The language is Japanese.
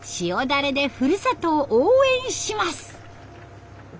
だれでふるさとを応援します。